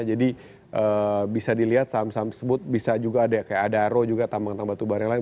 jadi bisa dilihat saham saham tersebut bisa juga ada kayak adaro juga tambang tambang batu bareng lain